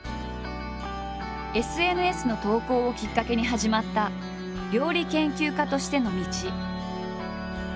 ＳＮＳの投稿をきっかけに始まった料理研究家としての道。